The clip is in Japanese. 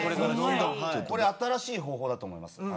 新しい方法だと思います。